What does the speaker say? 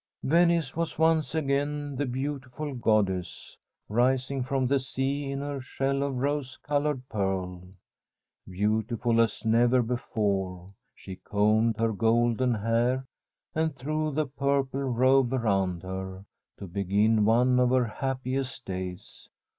Venice was once again the beautiful goddess, rising from the sea in her shell of rose coloured pearl. Beautiful as never before, she combed her golden hair, and threw the purple robe around her, to begin one of her happiest days.